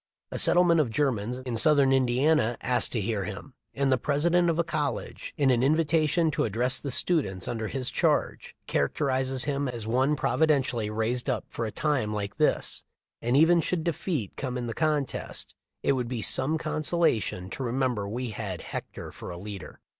A settlement of Germans in southern Indiana asked to hear him ; and the president of a college, in an invi tation to address the students under his charge, characterizes him as "one providentially raised up for a time like this, and even should defeat come in the contest, it would be some consolation to remem ber we had Hector for a leader."